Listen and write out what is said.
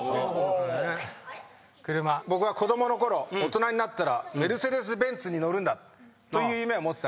僕は子供のころ大人になったらメルセデス・ベンツに乗るんだという夢を持ってたわけです。